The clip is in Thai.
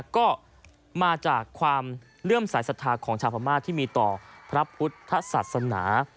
ก็มาจากความเลื่อมสายศรัทธาของชาวพม่าที่มีต่อพระพุทธศาสนา